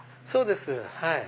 そうです。